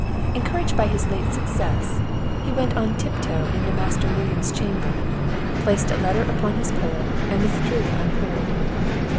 Encouraged by his late success, he went on tip toe into Master William's chamber, placed a letter upon his pillow, and withdrew unheard.